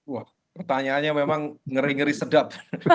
wah pertanyaannya memang ngeri ngeri sedap